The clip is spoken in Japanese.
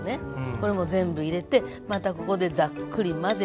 これも全部入れてまたここでザックリ混ぜたら。